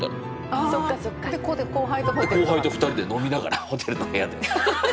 後輩と２人で飲みながらホテルの部屋で。